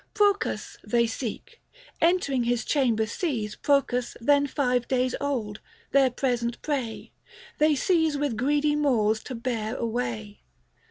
165 Procas they seek ; entering his chamber seize Procas then five days old, their present prey, They seize with greedy maws to bear away.